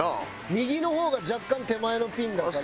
右の方が若干手前のピンだから。